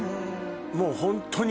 もうホントに。